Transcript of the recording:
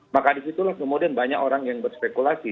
maka disitulah kemudian banyak orang yang berspekulasi